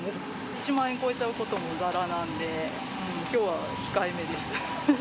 １万円超えちゃうこともざらなんで、きょうは控えめです。